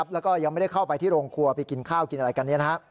แล้วก็ยังไม่ได้เข้าไปที่โรงครัวไปกินข้าวกินอะไรกัน